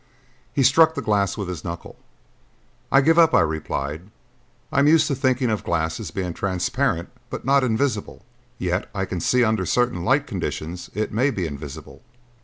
He struck the glass with his knuckle. "I'll give up," I replied. "I am used to thinking of glass as being transparent but not invisible; yet I can see that under certain light conditions it may be invisible.